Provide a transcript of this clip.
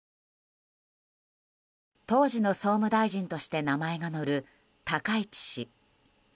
当時の総務大臣として名前が載る高市氏。